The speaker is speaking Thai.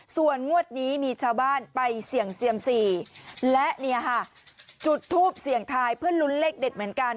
ส่วนงวดนี้มีชาวบ้านไปเสี่ยงเซียมสี่และเนี่ยค่ะจุดทูปเสี่ยงทายเพื่อลุ้นเลขเด็ดเหมือนกัน